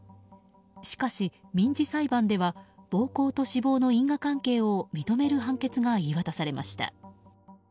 しかし、民事裁判では暴行と死亡の因果関係を認める判決が言い渡されました。